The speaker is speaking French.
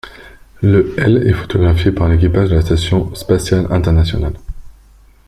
Le elle est photographiée par l'équipage de la Station spatiale internationale.